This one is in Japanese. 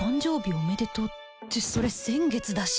おめでとうってそれ先月だし